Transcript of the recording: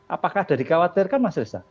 apakah ada yang dikhawatirkan mas rissa